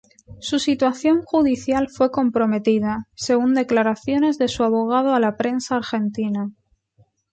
Su situación judicial fue comprometida, según declaraciones de su abogado a la prensa argentina.